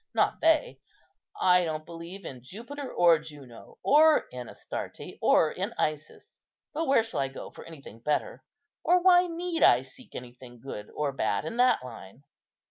not they. I don't believe in Jupiter or Juno, or in Astarte or in Isis; but where shall I go for anything better? or why need I seek anything good or bad in that line?